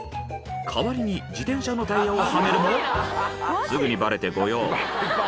代わりに自転車のタイヤをはめるもすぐにバレて御用